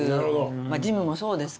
ジムもそうですけどね。